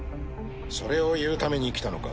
それを言うために来たのか？